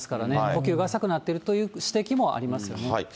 呼吸が浅くなっているという指摘もありますよね。